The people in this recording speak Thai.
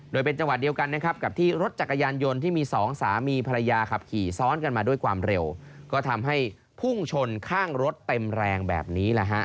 โดยเป็นจังหวะเดียวกันนะครับกับที่รถจักรยานยนต์ที่มีสองสามีภรรยาขับขี่ซ้อนกันมาด้วยความเร็วก็ทำให้พุ่งชนข้างรถเต็มแรงแบบนี้แหละฮะ